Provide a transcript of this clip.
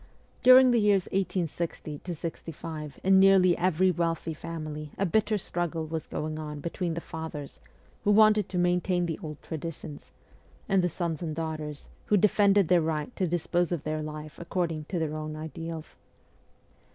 During the years 1860 65 in nearly every wealthy family a bitter struggle was going on between the fathers, who wanted to maintain the old traditions, and the sons and daughters, who defended their right to dispose of their life according to their own ideals.